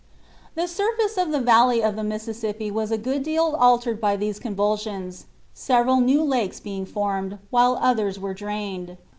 The surface of the valley of the Mississippi was a good deal altered by these convulsions several new lakes being formed, while others were drained.